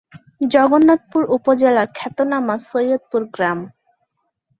জগন্নাথপুর উপজেলার খ্যাতনামা সৈয়দপুর গ্রাম।